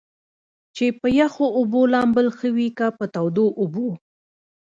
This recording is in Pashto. چې پۀ يخو اوبو لامبل ښۀ وي کۀ پۀ تودو اوبو ؟